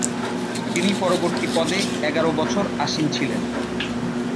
তিনি পরবর্তী পদে এগারো বছর আসীন ছিলেন।